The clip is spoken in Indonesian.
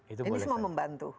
ini semua membantu